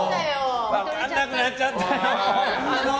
分かんなくなっちゃったよー！